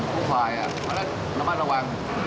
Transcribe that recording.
พวกฝ่ายมาแล้วระมัดระวัง